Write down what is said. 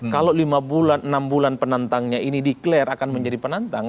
kalau lima bulan enam bulan penantangnya ini declare akan menjadi penantang